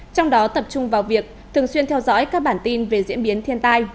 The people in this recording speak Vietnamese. trong đó tập trung vào việc thường xuyên theo dõi các bản tin về diễn biến thiên tai